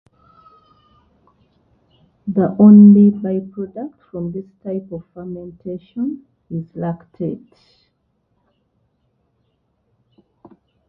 The only byproduct from this type of fermentation is lactate.